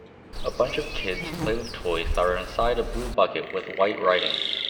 A bunch of kids play with toys that are inside a blue bucket with white writing